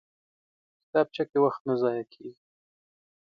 کتابچه کې وخت ضایع نه کېږي